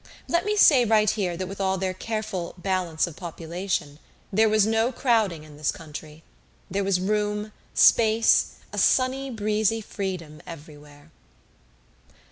Let me say right here that with all their careful "balance of population" there was no crowding in this country. There was room, space, a sunny breezy freedom everywhere.